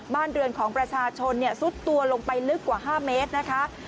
บ้านเรือนของประชาชนซุดตัวลงไปลึกกว่า๕เมตรนะคะ